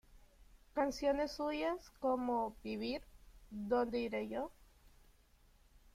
Canciones suyas como: "Vivir", "¿Donde ire yo?